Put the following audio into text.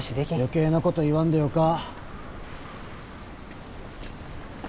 余計なこと言わんでよか。